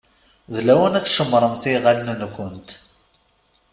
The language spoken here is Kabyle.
D lawan ad tcemmṛemt iɣallen-nkent.